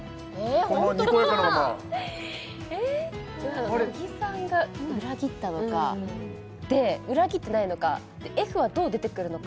このままにこやかなまま・えっ乃木さんが裏切ったのかで裏切ってないのかＦはどう出てくるのか？